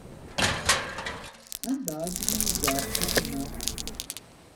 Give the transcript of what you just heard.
Anda akken i neǧǧa aqcic-nneɣ?